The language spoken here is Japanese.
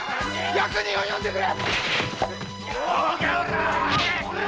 役人を呼んでくれ！